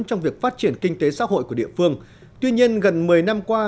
trong việc phát triển kinh tế xã hội của địa phương tuy nhiên gần một mươi năm qua